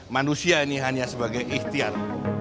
manusia ini hanya sebagai ikhtiar